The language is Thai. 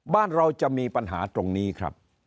บ้านเราจะมีปัญหาตรงนี้ครับ